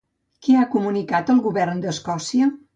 Què ha comunicat el govern d'Escòcia?